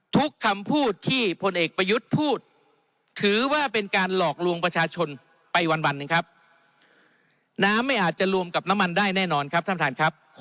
ทุกคำพูดที่พลเอกประยุทธ์พูดถือว่าเป็นการหลอกลวงประชาชนไปวันนะครับ